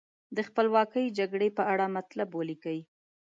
د خپلواکۍ جګړې په اړه مطلب ولیکئ.